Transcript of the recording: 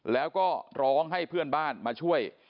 แล้วก็ร้องให้เพื่อนบ้านมาช่วย